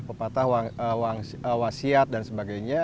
pepatah wasiat dan sebagainya